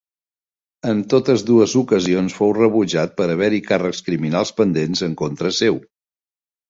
En totes dues ocasions fou rebutjat per haver-hi càrrecs criminals pendents en contra seu.